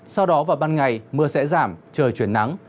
sau đó vào ban ngày mưa sẽ giảm trời chuyển nắng